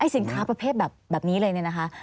สินค้าประเภทแบบนี้เลยเนี่ยนะคะ